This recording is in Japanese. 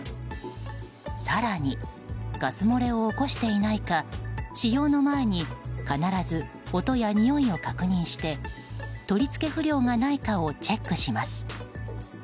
更に、ガス漏れを起こしていないか使用の前に必ず音やにおいを確認して取り付け不良がないかをチェックします。